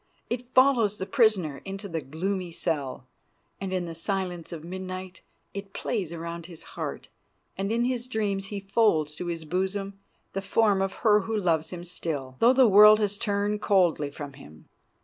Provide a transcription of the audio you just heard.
It follows the prisoner into the gloomy cell, and in the silence of midnight it plays around his heart, and in his dreams he folds to his bosom the form of her who loves him still, though the world has turned coldly from him.